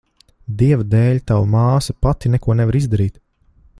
Dieva dēļ, tava māsa pati neko nevar izdarīt.